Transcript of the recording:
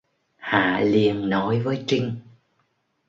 Hạ liền nói với Trinh